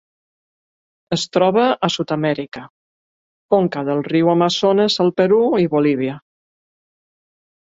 Es troba a Sud-amèrica: conca del riu Amazones al Perú i Bolívia.